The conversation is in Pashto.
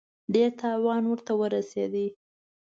ډېر تاوان ورته ورسېد.